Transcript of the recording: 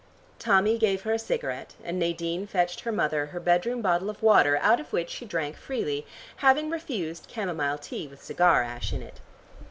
Tommy gave her a cigarette, and Nadine fetched her mother her bedroom bottle of water out of which she drank freely, having refused camomile tea with cigar ash in it.